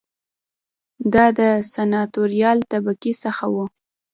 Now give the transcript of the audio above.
دا د سناتوریال طبقې څخه و